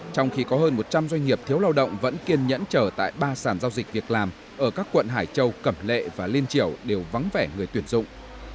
trong khi có hơn một trăm linh doanh nghiệp thiếu lao động vẫn kiên nhẫn chờ tại ba sản giao dịch việc làm ở các quận hải châu cẩm lệ và liên triều đều vắng vẻ người tuyển dụng